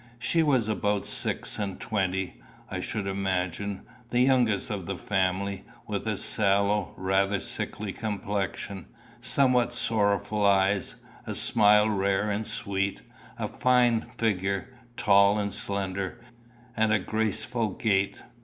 She was about six and twenty, I should imagine, the youngest of the family, with a sallow, rather sickly complexion, somewhat sorrowful eyes, a smile rare and sweet, a fine figure, tall and slender, and a graceful gait.